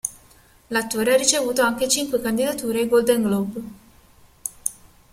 L'attore ha ricevuto anche cinque candidature ai Golden Globe.